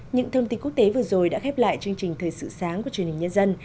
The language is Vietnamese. những thông tin quốc tế vừa rồi đã khép lại chương trình thời sự sáng của truyền hình nhân dân